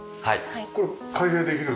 これ開閉できる？